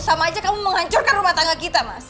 sama aja kamu menghancurkan rumah tangga kita mas